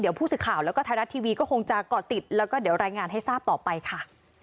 เดี๋ยวผู้สื่อข่าวแล้วก็ไทยรัฐทีวีก็คงจะเกาะติดแล้วก็เดี๋ยวรายงานให้ทราบต่อไปค่ะ